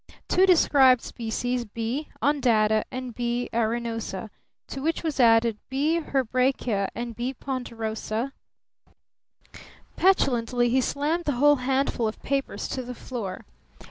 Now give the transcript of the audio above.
"Two described species: B. undata and B. arenosa, to which was added B. hebraica and B. ponderosa " Petulantly he slammed the whole handful of papers to the floor.